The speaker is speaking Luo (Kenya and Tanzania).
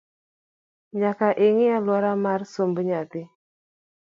Nyaka ing’i aluora mar somb nyathi